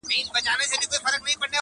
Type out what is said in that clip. o ستا پر سره ګلاب چي و غوړېږمه,